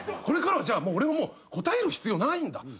これからはじゃあ俺はもう答える必要ないんだ。